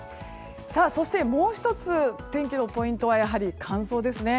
そして、もう１つ天気のポイントはやはり乾燥ですね。